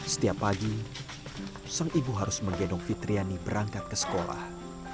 setiap pagi sang ibu harus menggendong fitriani berangkat ke sekolah